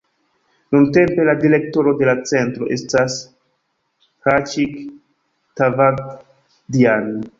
Nuntempe la direktoro de la centro estas Hraĉik Tavadjan.